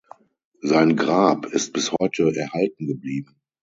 Sein Grab ist bis heute erhalten geblieben.